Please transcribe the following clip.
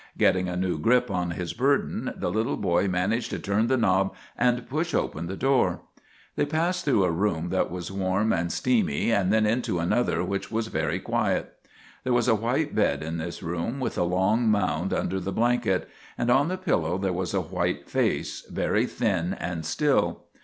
Getting a new grip on his burden, the little boy managed io turn the knob and push open the door. They passed through a room that was warm and steamy and then into another which was very quiet. There was a white bed in this room, with a long mound under the blanket, and on the pillow there was a white face, very thin and still.